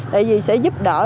tại vì sẽ giúp đỡ